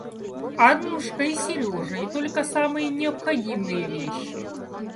Аннушка и Сережа, и только самые необходимые вещи.